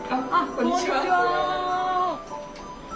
こんにちは。